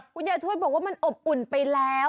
คุณยายทวดบอกว่ามันอบอุ่นไปแล้ว